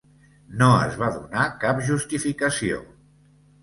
No es va donar cap justificació.